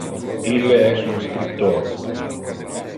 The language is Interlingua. Ille es un scriptor.